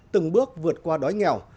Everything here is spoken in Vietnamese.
từng bước vượt qua đói nghèo